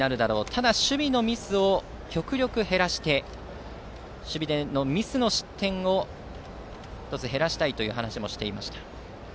ただ、守備のミスを極力減らして守備でのミスの失点を減らしたいと話もしていました。